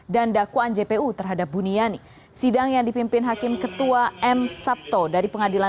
dan dakwaan jpu terhadap bunyiany sidang yang dipimpin hakim ketua m sabto dari pengadilan